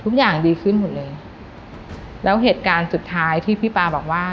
ทุกอย่างดีขึ้นหมดเลยแล้วเหตุการณ์สุดท้ายที่พี่ป๊าบอกว่า